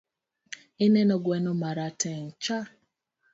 Ineno gweno marateng'cha?